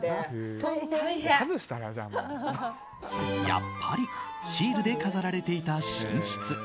やっぱりシールで飾られていた寝室。